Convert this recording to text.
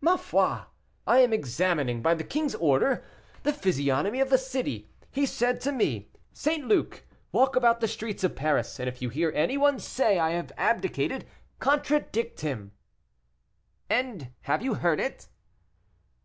"Ma foi! I am examining, by the king's order, the physiognomy of the city. He said to me, 'St. Luc, walk about the streets of Paris, and if you hear any one say I have abdicated, contradict him.'" "And have you heard it?"